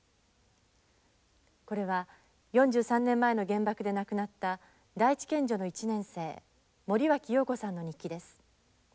これは４３年前の原爆で亡くなった第一県女の１年生森脇瑤子さんの日記です。